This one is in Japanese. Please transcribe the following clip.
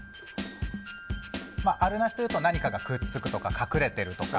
あるなしというと何かがくっつくとか隠れてるとか。